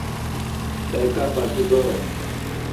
Backup আছে তো!